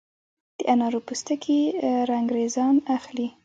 د انارو پوستکي رنګریزان اخلي؟